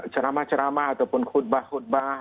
ceramah ceramah ataupun khutbah khutbah